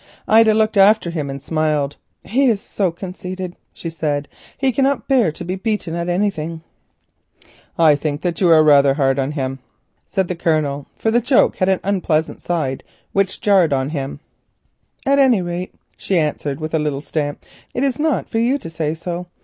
Ida looked after him and smiled. "He is so conceited," she said; "he cannot bear to be beaten at anything." "I think that you are rather hard on him," said the Colonel, for the joke had an unpleasant side which jarred upon his taste. "At any rate," she answered, with a little stamp, "it is not for you to say so.